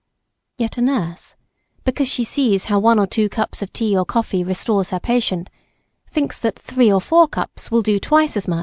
Yet a nurse, because she sees how one or two cups of tea or coffee restores her patient, thinks that three or four cups will do twice as much.